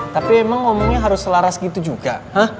tapi emang ngomongnya harus selaras gitu juga